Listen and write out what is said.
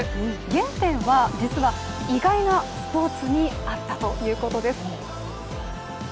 原点は、実は意外なスポーツにあったということです。